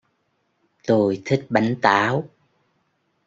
tôi thích bánh táo